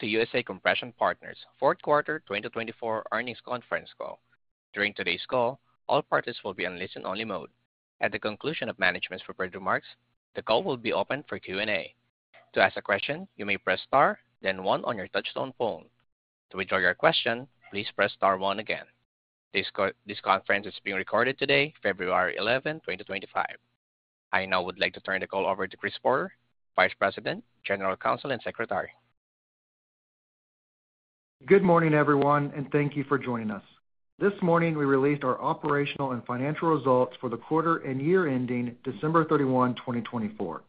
To USA Compression Partners, Fourth Quarter 2024 Earnings Conference Call. During today's call, all parties will be in listen-only mode. At the conclusion of management's prepared remarks, the call will be open for Q&A. To ask a question, you may press star, then one on your touch-tone phone. To withdraw your question, please press star one again. This conference is being recorded today, February 11, 2025. I now would like to turn the call over to Chris Porter, Vice President, General Counsel, and Secretary. Good morning, everyone, and thank you for joining us. This morning, we released our operational and financial results for the quarter and year ending December 31, 2024.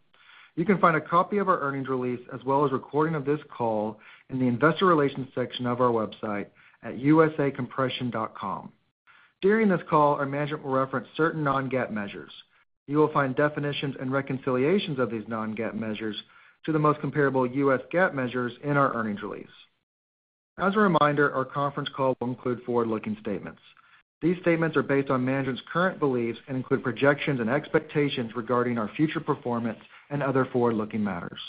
You can find a copy of our earnings release as well as a recording of this call in the Investor Relations section of our website at usacompression.com. During this call, our management will reference certain non-GAAP measures. You will find definitions and reconciliations of these non-GAAP measures to the most comparable U.S. GAAP measures in our earnings release. As a reminder, our conference call will include forward-looking statements. These statements are based on management's current beliefs and include projections and expectations regarding our future performance and other forward-looking matters.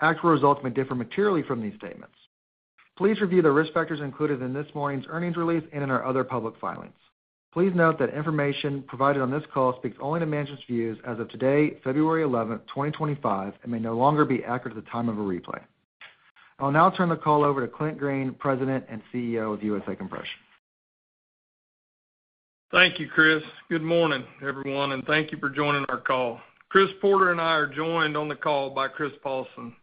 Actual results may differ materially from these statements. Please review the risk factors included in this morning's earnings release and in our other public filings. Please note that information provided on this call speaks only to management's views as of today, February 11, 2025, and may no longer be accurate at the time of a replay. I'll now turn the call over to Clint Green, President and CEO of USA Compression. Thank you, Chris. Good morning, everyone, and thank you for joining our call. Chris Porter and I are joined on the call by Chris Paulsen,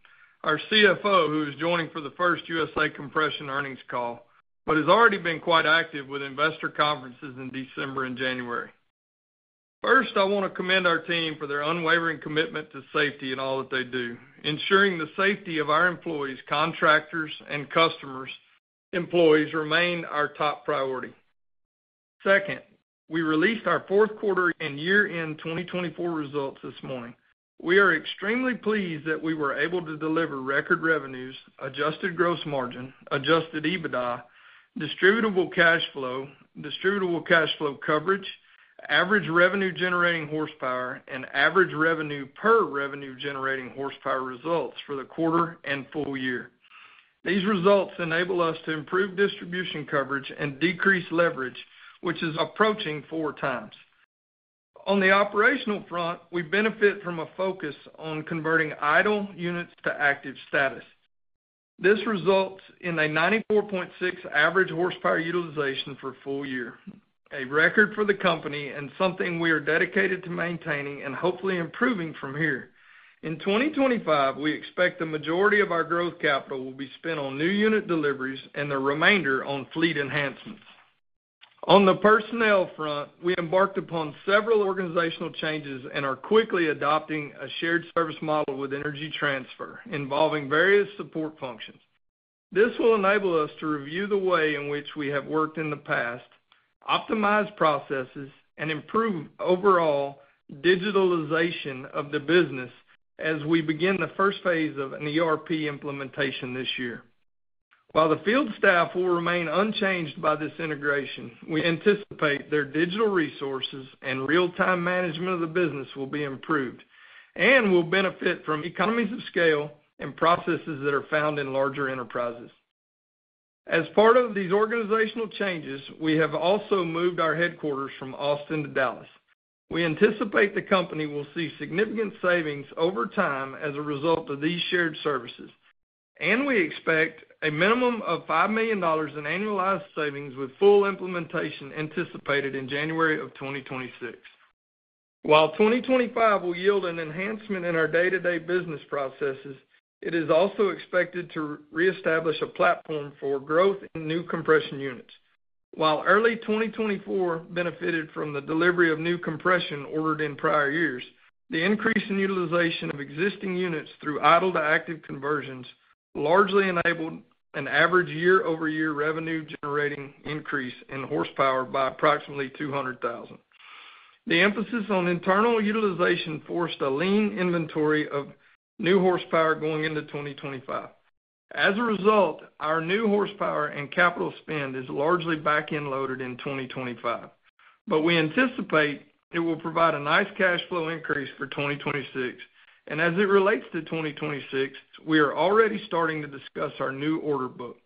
our CFO, who is joining for the first USA Compression earnings call, but has already been quite active with investor conferences in December and January. First, I want to commend our team for their unwavering commitment to safety in all that they do, ensuring the safety of our employees, contractors, and customers. Employees remain our top priority. Second, we released our fourth quarter and year-end 2024 results this morning. We are extremely pleased that we were able to deliver record revenues, adjusted gross margin, adjusted EBITDA, distributable cash flow, distributable cash flow coverage, average revenue-generating horsepower, and average revenue per revenue-generating horsepower results for the quarter and full year. These results enable us to improve distribution coverage and decrease leverage, which is approaching four times. On the operational front, we benefit from a focus on converting idle units to active status. This results in a 94.6 average horsepower utilization for the full year, a record for the company and something we are dedicated to maintaining and hopefully improving from here. In 2025, we expect the majority of our growth capital will be spent on new unit deliveries and the remainder on fleet enhancements. On the personnel front, we embarked upon several organizational changes and are quickly adopting a shared service model with Energy Transfer involving various support functions. This will enable us to review the way in which we have worked in the past, optimize processes, and improve overall digitalization of the business as we begin the first phase of an ERP implementation this year. While the field staff will remain unchanged by this integration, we anticipate their digital resources and real-time management of the business will be improved and will benefit from economies of scale and processes that are found in larger enterprises. As part of these organizational changes, we have also moved our headquarters from Austin to Dallas. We anticipate the company will see significant savings over time as a result of these shared services, and we expect a minimum of $5 million in annualized savings with full implementation anticipated in January of 2026. While 2025 will yield an enhancement in our day-to-day business processes, it is also expected to reestablish a platform for growth in new compression units. While early 2024 benefited from the delivery of new compression ordered in prior years, the increase in utilization of existing units through idle to active conversions largely enabled an average year-over-year revenue-generating increase in horsepower by approximately 200,000. The emphasis on internal utilization forced a lean inventory of new horsepower going into 2025. As a result, our new horsepower and capital spend is largely back-end loaded in 2025, but we anticipate it will provide a nice cash flow increase for 2026. And as it relates to 2026, we are already starting to discuss our new order book.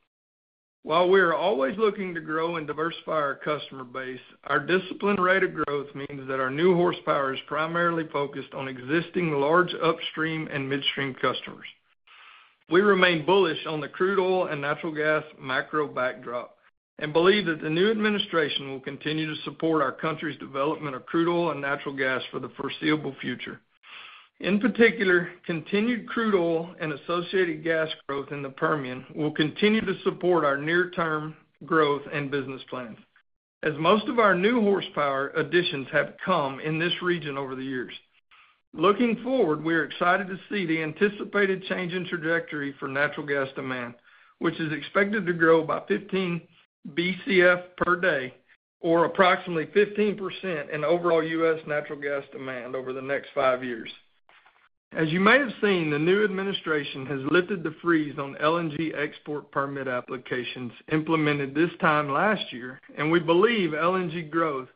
While we are always looking to grow and diversify our customer base, our disciplined rate of growth means that our new horsepower is primarily focused on existing large upstream and midstream customers. We remain bullish on the crude oil and natural gas macro backdrop and believe that the new administration will continue to support our country's development of crude oil and natural gas for the foreseeable future. In particular, continued crude oil and associated gas growth in the Permian will continue to support our near-term growth and business plans, as most of our new horsepower additions have come in this region over the years. Looking forward, we are excited to see the anticipated change in trajectory for natural gas demand, which is expected to grow by 15 Bcf/d or approximately 15% in overall U.S. natural gas demand over the next five years. As you may have seen, the new administration has lifted the freeze on LNG export permit applications implemented this time last year, and we believe LNG growth,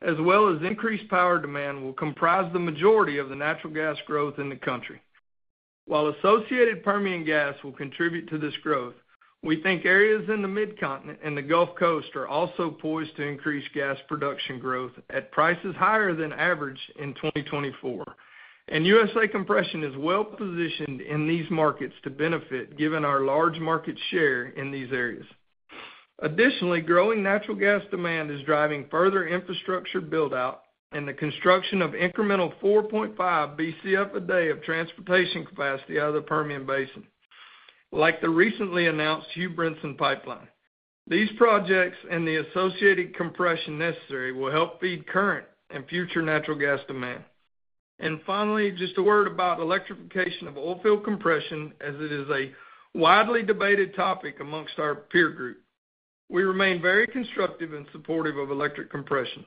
as well as increased power demand, will comprise the majority of the natural gas growth in the country. While associated Permian gas will contribute to this growth, we think areas in the Mid-Continent and the Gulf Coast are also poised to increase gas production growth at prices higher than average in 2024. And USA Compression is well positioned in these markets to benefit, given our large market share in these areas. Additionally, growing natural gas demand is driving further infrastructure build-out and the construction of incremental 4.5 Bcf/d of transportation capacity out of the Permian Basin, like the recently announced Hugh Brinson Pipeline. These projects and the associated compression necessary will help feed current and future natural gas demand. Finally, just a word about electrification of oilfield compression, as it is a widely debated topic among our peer group. We remain very constructive and supportive of electric compression.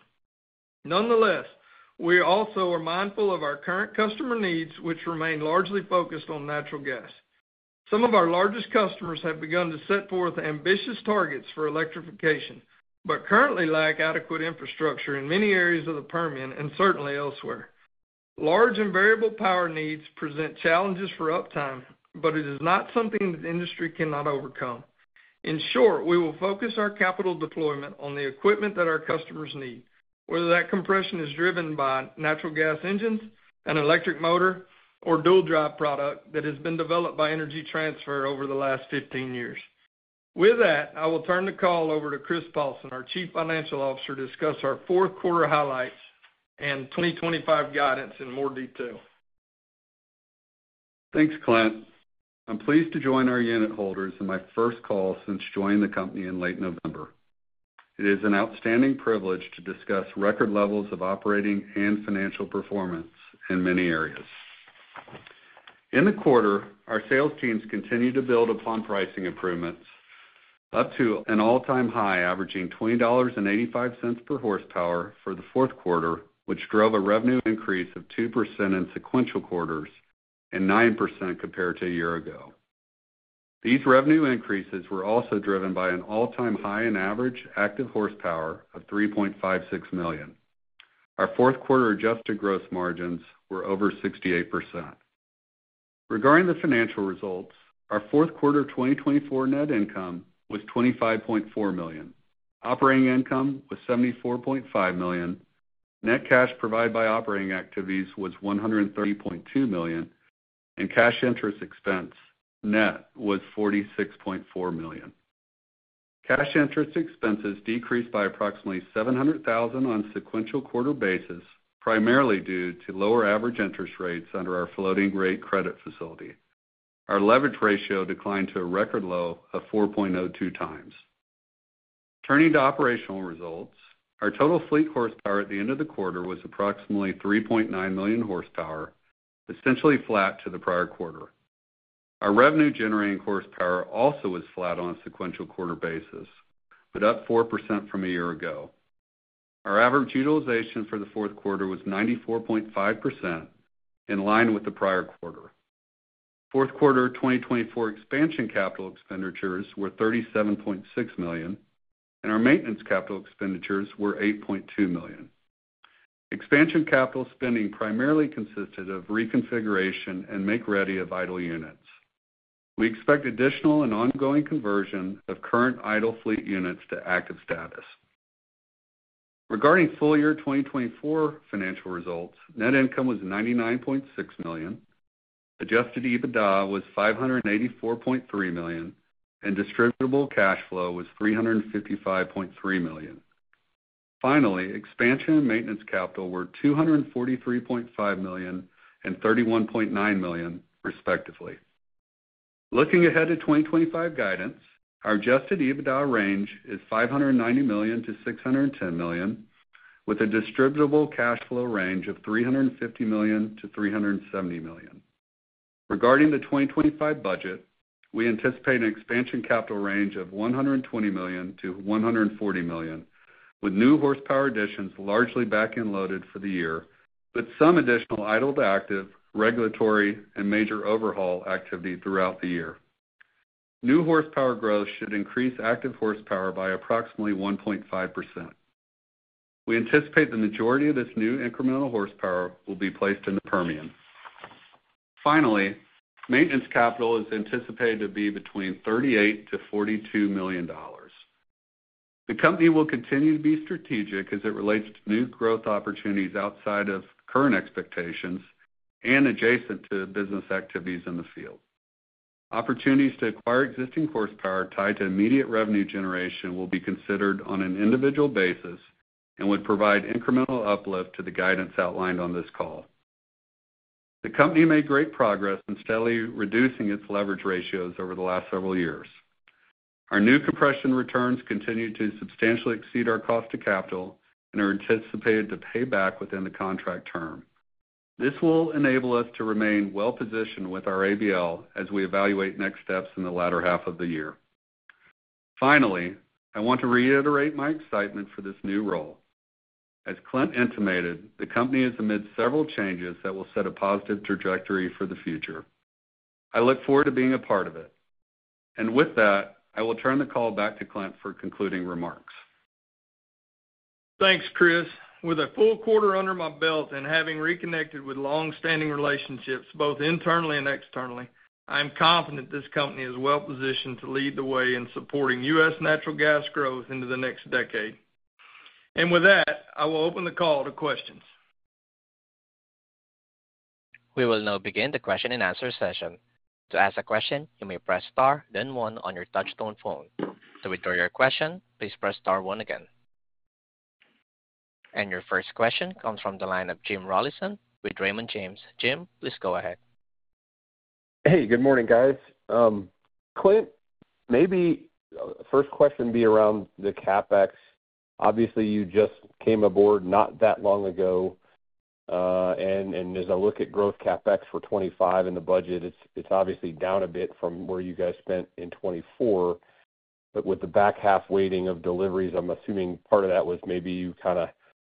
Nonetheless, we also are mindful of our current customer needs, which remain largely focused on natural gas. Some of our largest customers have begun to set forth ambitious targets for electrification, but currently lack adequate infrastructure in many areas of the Permian and certainly elsewhere. Large and variable power needs present challenges for uptime, but it is not something that the industry cannot overcome. In short, we will focus our capital deployment on the equipment that our customers need, whether that compression is driven by natural gas engines, an electric motor, or a Dual Drive product that has been developed by Energy Transfer over the last 15 years. With that, I will turn the call over to Chris Paulsen, our Chief Financial Officer, to discuss our fourth quarter highlights and 2025 guidance in more detail. Thanks, Clint. I'm pleased to join our unitholders in my first call since joining the company in late November. It is an outstanding privilege to discuss record levels of operating and financial performance in many areas. In the quarter, our sales teams continued to build upon pricing improvements up to an all-time high averaging $20.85 per horsepower for the fourth quarter, which drove a revenue increase of 2% in sequential quarters and 9% compared to a year ago. These revenue increases were also driven by an all-time high in average active horsepower of 3.56 million. Our fourth quarter adjusted gross margins were over 68%. Regarding the financial results, our fourth quarter 2024 net income was $25.4 million. Operating income was $74.5 million. Net cash provided by operating activities was $130.2 million, and cash interest expense net was $46.4 million. Cash interest expenses decreased by approximately $700,000 on sequential quarter basis, primarily due to lower average interest rates under our floating rate credit facility. Our leverage ratio declined to a record low of 4.02 times. Turning to operational results, our total fleet horsepower at the end of the quarter was approximately 3.9 million horsepower, essentially flat to the prior quarter. Our revenue-generating horsepower also was flat on a sequential quarter basis, but up 4% from a year ago. Our average utilization for the fourth quarter was 94.5%, in line with the prior quarter. Fourth quarter 2024 expansion capital expenditures were $37.6 million, and our maintenance capital expenditures were $8.2 million. Expansion capital spending primarily consisted of reconfiguration and make-ready of idle units. We expect additional and ongoing conversion of current idle fleet units to active status. Regarding full year 2024 financial results, net income was $99.6 million. Adjusted EBITDA was $584.3 million, and distributable cash flow was $355.3 million. Finally, expansion and maintenance capital were $243.5 million and $31.9 million, respectively. Looking ahead to 2025 guidance, our adjusted EBITDA range is $590 million-$610 million, with a distributable cash flow range of $350 million-$370 million. Regarding the 2025 budget, we anticipate an expansion capital range of $120 million-$140 million, with new horsepower additions largely back-end loaded for the year, but some additional idle to active, regulatory, and major overhaul activity throughout the year. New horsepower growth should increase active horsepower by approximately 1.5%. We anticipate the majority of this new incremental horsepower will be placed in the Permian. Finally, maintenance capital is anticipated to be between $38 million-$42 million. The company will continue to be strategic as it relates to new growth opportunities outside of current expectations and adjacent to business activities in the field. Opportunities to acquire existing horsepower tied to immediate revenue generation will be considered on an individual basis and would provide incremental uplift to the guidance outlined on this call. The company made great progress in steadily reducing its leverage ratios over the last several years. Our new compression returns continue to substantially exceed our cost to capital and are anticipated to pay back within the contract term. This will enable us to remain well-positioned with our ABL as we evaluate next steps in the latter half of the year. Finally, I want to reiterate my excitement for this new role. As Clint intimated, the company is amid several changes that will set a positive trajectory for the future. I look forward to being a part of it. And with that, I will turn the call back to Clint for concluding remarks. Thanks, Chris. With a full quarter under my belt and having reconnected with long-standing relationships both internally and externally, I am confident this company is well-positioned to lead the way in supporting U.S. natural gas growth into the next decade. And with that, I will open the call to questions. We will now begin the question and answer session. To ask a question, you may press star, then one on your touch-tone phone. To withdraw your question, please press star, one again. And your first question comes from the line of Jim Rollyson with Raymond James. Jim, please go ahead. Hey, good morning, guys. Clint, maybe the first question would be around the CapEx. Obviously, you just came aboard not that long ago, and as I look at growth CapEx for 2025 in the budget, it's obviously down a bit from where you guys spent in 2024, but with the back half weighting of deliveries, I'm assuming part of that was maybe you kind of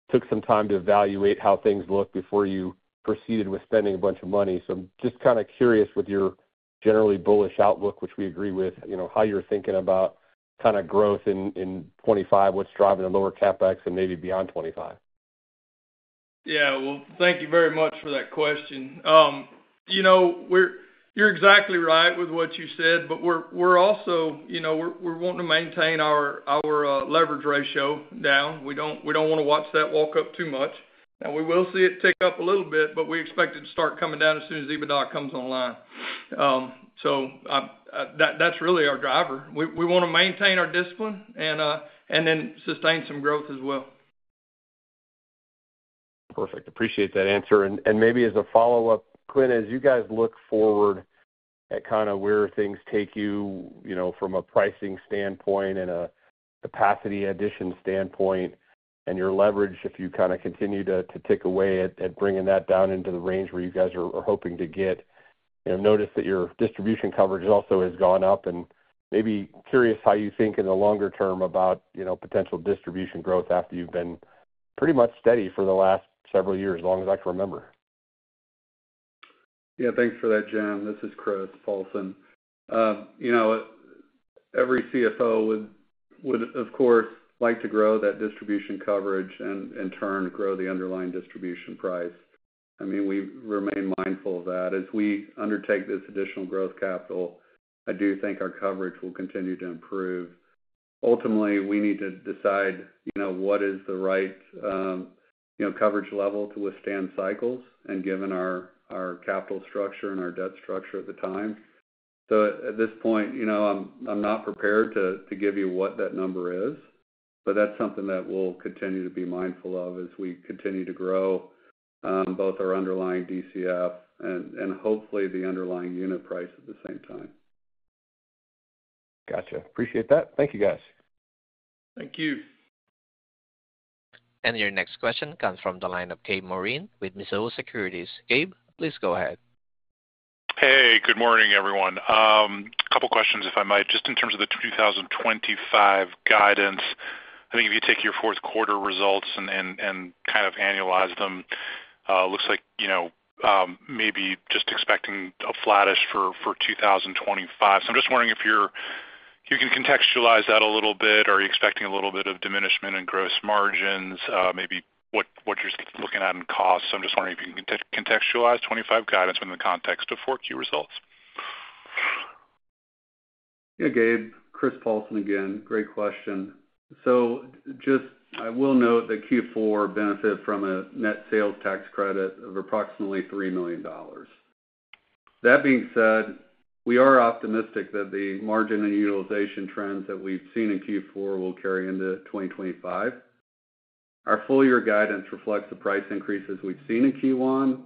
took some time to evaluate how things looked before you proceeded with spending a bunch of money, so I'm just kind of curious with your generally bullish outlook, which we agree with, how you're thinking about kind of growth in 2025, what's driving the lower CapEx, and maybe beyond 2025. Yeah, well, thank you very much for that question. You're exactly right with what you said, but we're also wanting to maintain our leverage ratio down. We don't want to watch that walk up too much. Now, we will see it tick up a little bit, but we expect it to start coming down as soon as EBITDA comes online. So that's really our driver. We want to maintain our discipline and then sustain some growth as well. Perfect. Appreciate that answer. And maybe as a follow-up, Clint, as you guys look forward at kind of where things take you from a pricing standpoint and a capacity addition standpoint and your leverage, if you kind of continue to tick away at bringing that down into the range where you guys are hoping to get, notice that your distribution coverage also has gone up. And maybe curious how you think in the longer term about potential distribution growth after you've been pretty much steady for the last several years, as long as I can remember. Yeah, thanks for that, Jim. This is Chris Paulsen. Every CFO would, of course, like to grow that distribution coverage and, in turn, grow the underlying distribution price. I mean, we remain mindful of that. As we undertake this additional growth capital, I do think our coverage will continue to improve. Ultimately, we need to decide what is the right coverage level to withstand cycles and given our capital structure and our debt structure at the time. So at this point, I'm not prepared to give you what that number is, but that's something that we'll continue to be mindful of as we continue to grow both our underlying DCF and, hopefully, the underlying unit price at the same time. Gotcha. Appreciate that. Thank you, guys. Thank you. Your next question comes from the line of Gabe Moreen with Mizuho Securities. Gabe, please go ahead. Hey, good morning, everyone. A couple of questions, if I might, just in terms of the 2025 guidance. I think if you take your fourth quarter results and kind of annualize them, it looks like maybe just expecting a flattish for 2025. So I'm just wondering if you can contextualize that a little bit. Are you expecting a little bit of diminishment in gross margins? Maybe what you're looking at in costs? So I'm just wondering if you can contextualize 2025 guidance in the context of fourth quarter results. Yeah, Gabe, Chris Paulsen again. Great question. So just I will note that Q4 benefited from a net sales tax credit of approximately $3 million. That being said, we are optimistic that the margin and utilization trends that we've seen in Q4 will carry into 2025. Our full year guidance reflects the price increases we've seen in Q1,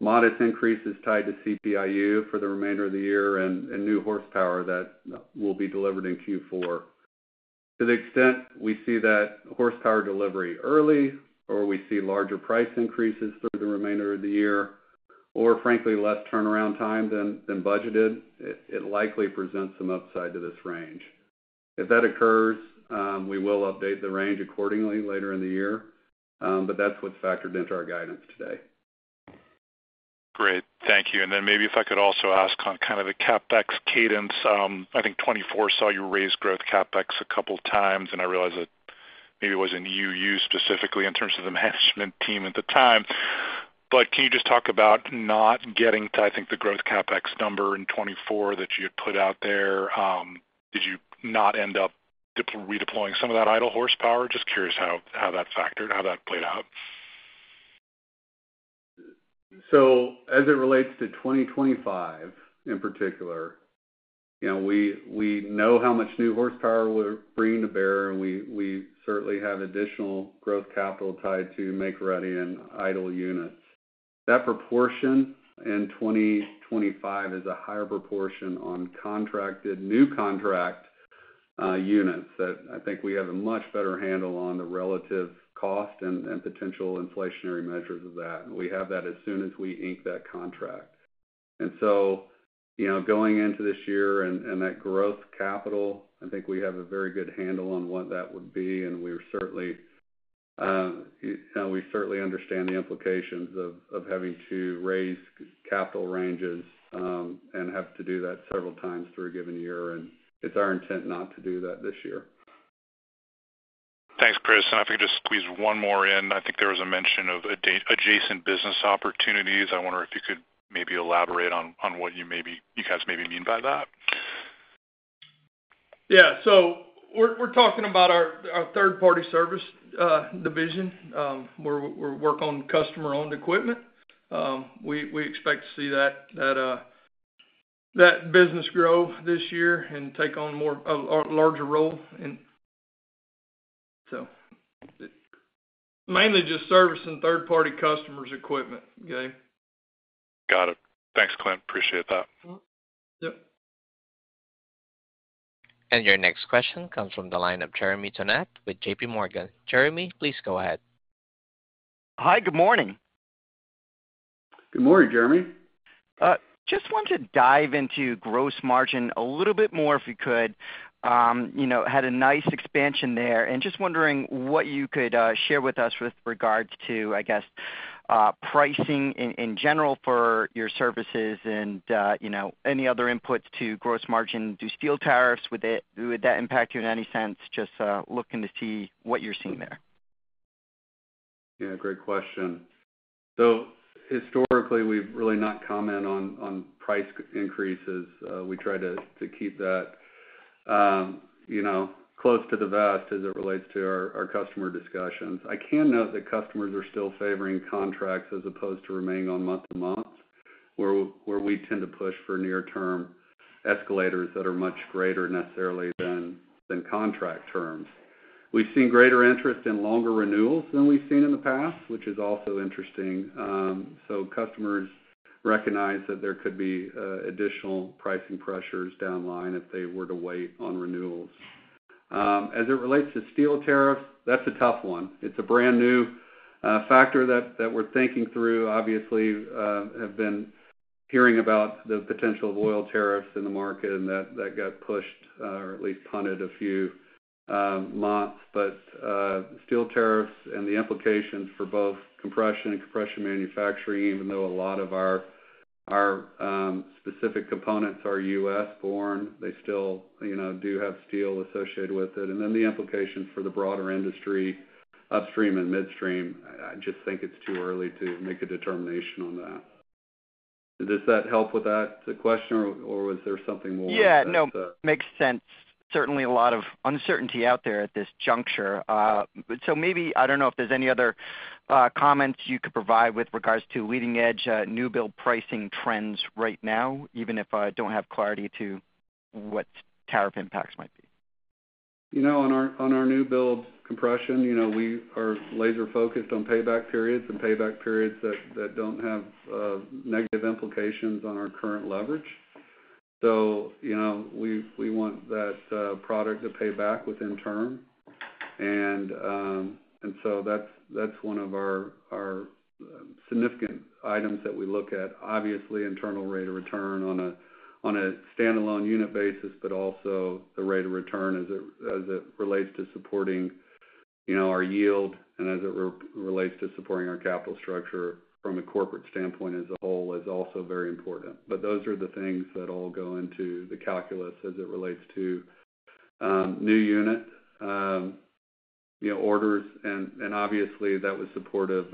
modest increases tied to CPI-U for the remainder of the year, and new horsepower that will be delivered in Q4. To the extent we see that horsepower delivery early, or we see larger price increases through the remainder of the year, or, frankly, less turnaround time than budgeted, it likely presents some upside to this range. If that occurs, we will update the range accordingly later in the year, but that's what's factored into our guidance today. Great. Thank you. And then maybe if I could also ask on kind of the CapEx cadence. I think 2024 saw you raise growth CapEx a couple of times, and I realize that maybe it wasn't you specifically in terms of the management team at the time. But can you just talk about not getting to, I think, the growth CapEx number in 2024 that you had put out there? Did you not end up redeploying some of that idle horsepower? Just curious how that played out. So as it relates to 2025 in particular, we know how much new horsepower we're bringing to bear, and we certainly have additional growth capital tied to make-ready and idle units. That proportion in 2025 is a higher proportion on contracted new contract units that I think we have a much better handle on the relative cost and potential inflationary measures of that. We have that as soon as we ink that contract. And so going into this year and that growth capital, I think we have a very good handle on what that would be. And we certainly understand the implications of having to raise capital ranges and have to do that several times through a given year. And it's our intent not to do that this year. Thanks, Chris. And if I could just squeeze one more in. I think there was a mention of adjacent business opportunities. I wonder if you could maybe elaborate on what you guys maybe mean by that. Yeah. So we're talking about our third-party service division where we work on customer-owned equipment. We expect to see that business grow this year and take on a larger role. So mainly just servicing third-party customers' equipment, okay? Got it. Thanks, Clint. Appreciate that. Yep. Your next question comes from the line of Jeremy Tonet with JPMorgan. Jeremy, please go ahead. Hi, good morning. Good morning, Jeremy. Just want to dive into gross margin a little bit more if we could. Had a nice expansion there and just wondering what you could share with us with regards to, I guess, pricing in general for your services and any other inputs to gross margin. Do steel tariffs, would that impact you in any sense? Just looking to see what you're seeing there. Yeah, great question. So historically, we've really not commented on price increases. We try to keep that close to the vest as it relates to our customer discussions. I can note that customers are still favoring contracts as opposed to remaining on month-to-month, where we tend to push for near-term escalators that are much greater necessarily than contract terms. We've seen greater interest in longer renewals than we've seen in the past, which is also interesting. So customers recognize that there could be additional pricing pressures down the line if they were to wait on renewals. As it relates to steel tariffs, that's a tough one. It's a brand new factor that we're thinking through. Obviously, I've been hearing about the potential of oil tariffs in the market, and that got pushed or at least punted a few months. But steel tariffs and the implications for both compression and compression manufacturing, even though a lot of our specific components are U.S.-born, they still do have steel associated with it. And then the implications for the broader industry upstream and midstream, I just think it's too early to make a determination on that. Does that help with that question, or was there something more? Yeah, no, makes sense. Certainly, a lot of uncertainty out there at this juncture. So maybe I don't know if there's any other comments you could provide with regards to leading-edge new build pricing trends right now, even if I don't have clarity to what tariff impacts might be? On our new build compression, we are laser-focused on payback periods and payback periods that don't have negative implications on our current leverage. So we want that product to pay back within term. And so that's one of our significant items that we look at. Obviously, internal rate of return on a standalone unit basis, but also the rate of return as it relates to supporting our yield and as it relates to supporting our capital structure from a corporate standpoint as a whole is also very important. But those are the things that all go into the calculus as it relates to new unit orders. And obviously, that was supportive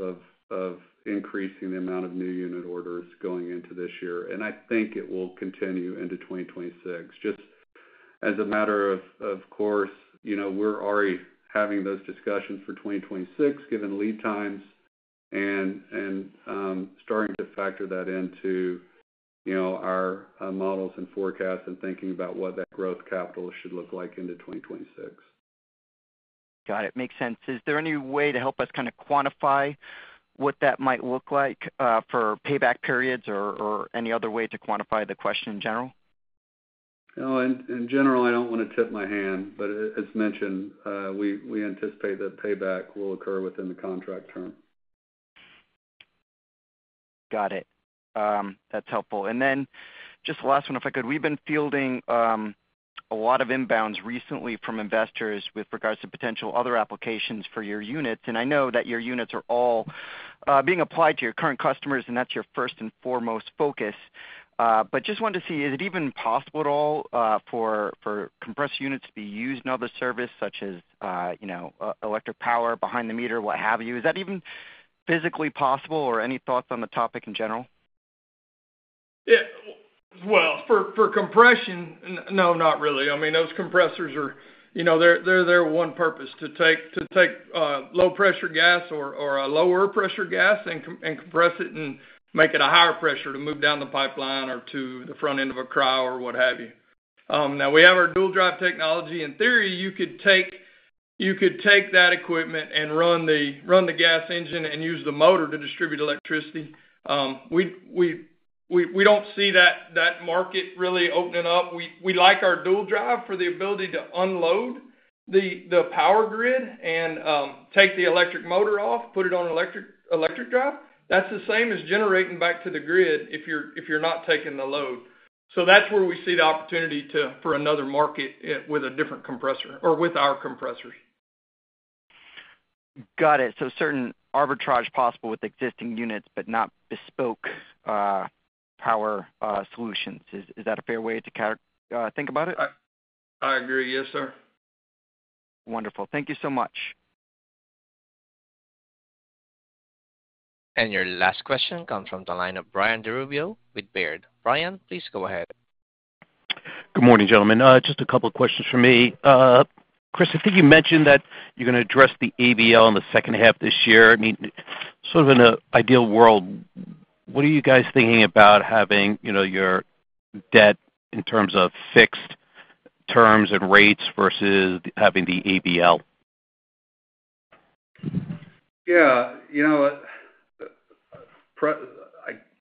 of increasing the amount of new unit orders going into this year. And I think it will continue into 2026. Just as a matter of course, we're already having those discussions for 2026, given lead times and starting to factor that into our models and forecasts and thinking about what that growth capital should look like into 2026. Got it. Makes sense. Is there any way to help us kind of quantify what that might look like for payback periods or any other way to quantify the question in general? In general, I don't want to tip my hand, but as mentioned, we anticipate that payback will occur within the contract term. Got it. That's helpful. And then just the last one, if I could. We've been fielding a lot of inbounds recently from investors with regards to potential other applications for your units. And I know that your units are all being applied to your current customers, and that's your first and foremost focus. But just wanted to see, is it even possible at all for compression units to be used in other services such as electric power, behind-the-meter, what have you? Is that even physically possible or any thoughts on the topic in general? Yeah. Well, for compression, no, not really. I mean, those compressors, they're there for one purpose: to take low-pressure gas or a lower-pressure gas and compress it and make it a higher pressure to move down the pipeline or to the front end of a cryo or what have you. Now, we have our Dual Drive technology. In theory, you could take that equipment and run the gas engine and use the motor to distribute electricity. We don't see that market really opening up. We like our Dual Drive for the ability to unload the power grid and take the electric motor off, put it on electric drive. That's the same as generating back to the grid if you're not taking the load. So that's where we see the opportunity for another market with a different compressor or with our compressors. Got it. So certain arbitrage possible with existing units, but not bespoke power solutions. Is that a fair way to think about it? I agree. Yes, sir. Wonderful. Thank you so much. And your last question comes from the line of Brian DiRubbio with Baird. Brian, please go ahead. Good morning, gentlemen. Just a couple of questions for me. Chris, I think you mentioned that you're going to address the ABL in the second half of this year. I mean, sort of in an ideal world, what are you guys thinking about having your debt in terms of fixed terms and rates versus having the ABL? Yeah.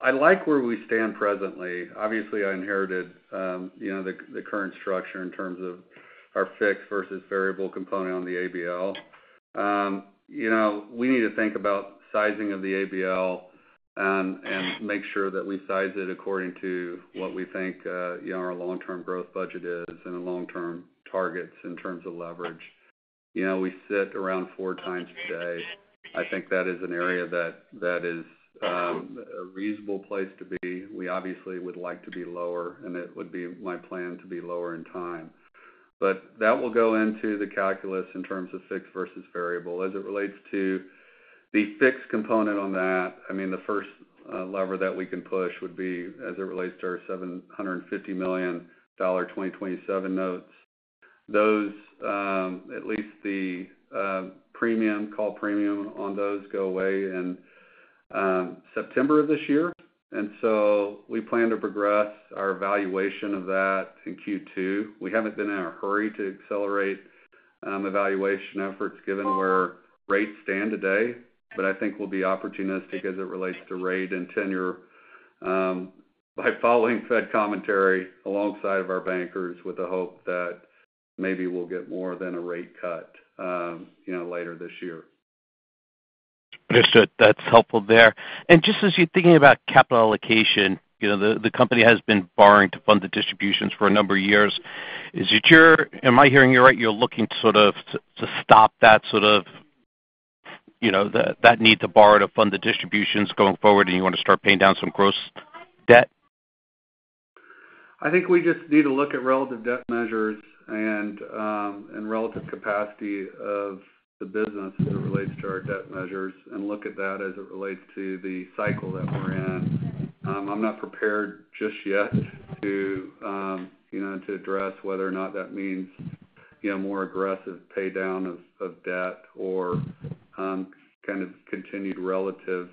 I like where we stand presently. Obviously, I inherited the current structure in terms of our fixed versus variable component on the ABL. We need to think about sizing of the ABL and make sure that we size it according to what we think our long-term growth budget is and our long-term targets in terms of leverage. We sit around four times. I think that is an area that is a reasonable place to be. We obviously would like to be lower, and it would be my plan to be lower in time. But that will go into the calculus in terms of fixed versus variable. As it relates to the fixed component on that, I mean, the first lever that we can push would be as it relates to our $750 million 2027 notes. Those, at least the premium, call premium on those go away in September of this year, and so we plan to progress our evaluation of that in Q2. We haven't been in a hurry to accelerate evaluation efforts given where rates stand today, but I think we'll be opportunistic as it relates to rate and tenure by following Fed commentary alongside of our bankers with the hope that maybe we'll get more than a rate cut later this year. Understood. That's helpful there. And just as you're thinking about capital allocation, the company has been borrowing to fund the distributions for a number of years. Am I hearing you right? You're looking to sort of stop that sort of need to borrow to fund the distributions going forward, and you want to start paying down some gross debt? I think we just need to look at relative debt measures and relative capacity of the business as it relates to our debt measures and look at that as it relates to the cycle that we're in. I'm not prepared just yet to address whether or not that means more aggressive pay down of debt or kind of continued relative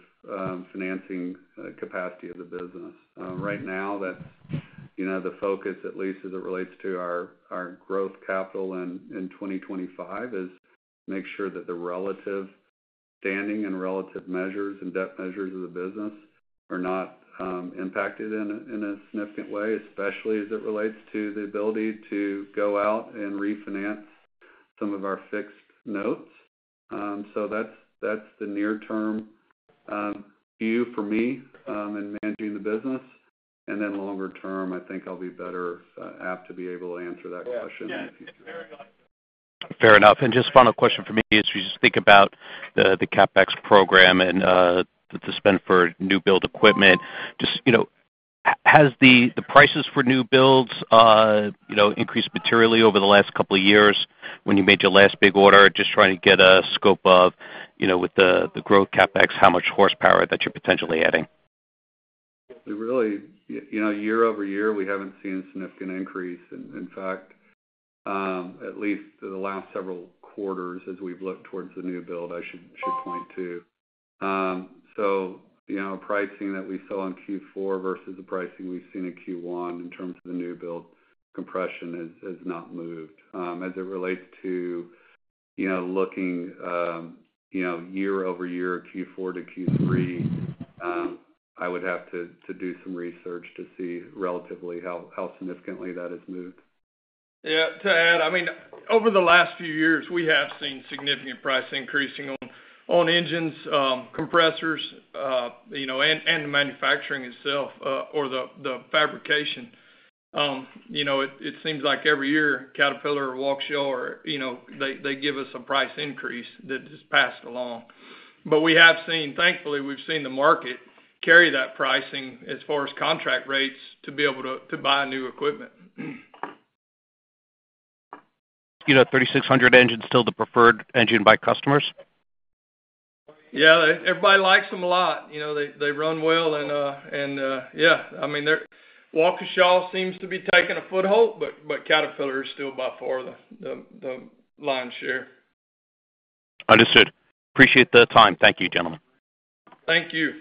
financing capacity of the business. Right now, that's the focus, at least as it relates to our growth capital in 2025, is to make sure that the relative standing and relative measures and debt measures of the business are not impacted in a significant way, especially as it relates to the ability to go out and refinance some of our fixed notes, so that's the near-term view for me in managing the business. Longer term, I think I'll be better apt to be able to answer that question in the future. Fair enough. And just final question for me as we just think about the CapEx program and the spend for new build equipment. Just has the prices for new builds increased materially over the last couple of years when you made your last big order? Just trying to get a scope of, with the growth CapEx, how much horsepower that you're potentially adding. Really, year over year, we haven't seen a significant increase. In fact, at least the last several quarters as we've looked towards the new build, I should point to. So pricing that we saw in Q4 versus the pricing we've seen in Q1 in terms of the new build compression has not moved. As it relates to looking year-over-year, Q4 to Q3, I would have to do some research to see relatively how significantly that has moved. Yeah. To add, I mean, over the last few years, we have seen significant price increasing on engines, compressors, and the manufacturing itself or the fabrication. It seems like every year, Caterpillar or Waukesha, they give us a price increase that is passed along, but we have seen, thankfully, we've seen the market carry that pricing as far as contract rates to be able to buy new equipment. You know, 3600 engine still the preferred engine by customers? Yeah. Everybody likes them a lot. They run well. And yeah, I mean, Waukesha seems to be taking a foothold, but Caterpillar is still by far the lion's share. Understood. Appreciate the time. Thank you, gentlemen. Thank you.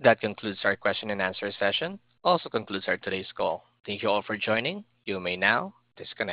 That concludes our question and answer session. Also concludes our today's call. Thank you all for joining. You may now disconnect.